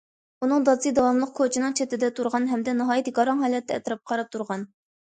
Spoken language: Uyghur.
ئۇنىڭ دادىسى داۋاملىق كوچىنىڭ چېتىدە تۇرغان ھەمدە ناھايىتى گاراڭ ھالەتتە ئەتراپقا قاراپ تۇرغان.